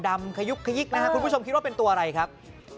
ขยุกขยิกนะครับคุณผู้ชมคิดว่าเป็นตัวอะไรครับ